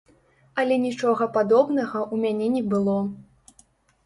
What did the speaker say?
Але нічога падобнага ў мяне не было.